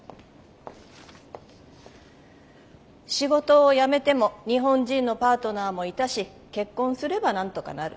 仕事を辞めても日本人のパートナーもいたし結婚すればなんとかなる。